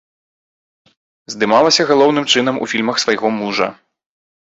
Здымалася галоўным чынам у фільмах свайго мужа.